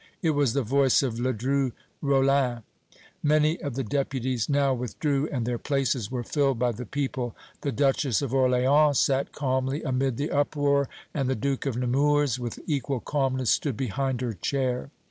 It was the voice of Ledru Rollin. Many of the deputies now withdrew, and their places were filled by the people. The Duchess of Orléans sat calmly amid the uproar, and the Duke of Nemours with equal calmness stood behind her chair.